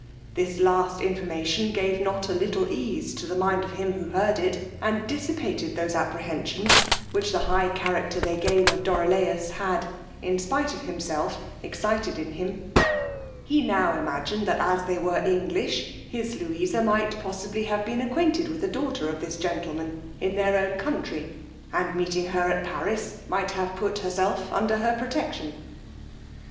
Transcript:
This last information gave not a little ease to the mind of him who heard it, and dissipated those apprehensions which the high character they gave of Dorilaus had, in spite of himself, excited in him: he now imagined that as they were English, his Louisa might possibly have been acquainted with the daughter of this gentleman in their own country, and meeting her at Paris, might have put herself under her protection.